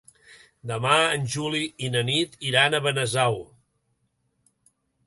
Demà en Juli i na Nit iran a Benasau.